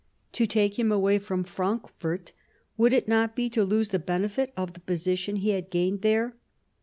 To take him away from Frankfort, would it not be to lose the benefit of the position he had gained there